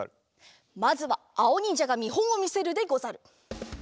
まずはあおにんじゃがみほんをみせるでござる。